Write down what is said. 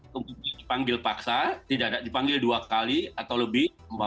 kemudian dipanggil paksa dipanggil dua kali atau lebih